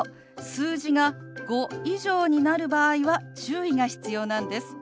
数字が５以上になる場合は注意が必要なんです。